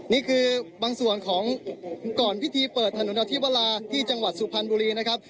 นี่คือบางส่วนของก่อนพิธีเปิดถนนอธิวราที่จังหวัดสุพรรณบุรีนะครับ